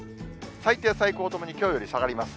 最低、最高ともにきょうより下がります。